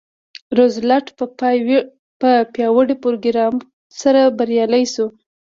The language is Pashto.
روزولټ په پیاوړي پروګرام سره بریالی شو.